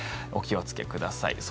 お気をつけください。